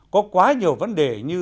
có quá nhiều vấn đề như